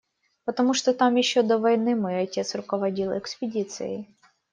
Потому что там еще до войны мой отец руководил экспедицией.